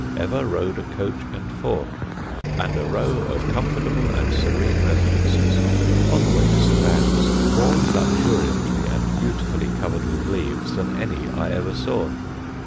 ever drove a coach and four, and a row of comfortable and serene residences (on the way to St. Ann's) more luxuriantly and beautifully covered with leaves than any I ever saw.